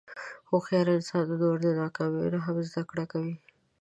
هوښیار انسان د نورو د ناکامیو نه هم زدهکړه کوي.